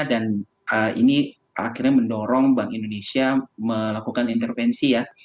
dan ini akhirnya mendorong bank indonesia melakukan intervensi ya